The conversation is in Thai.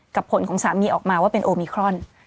ผลของสามีออกมาว่าเป็นโอมิครอน